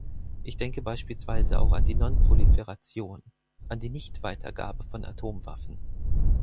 Ich denke beispielsweise auch an die Nonproliferation, an die Nichtweitergabe von Atomwaffen.